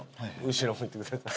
後ろ向いてください。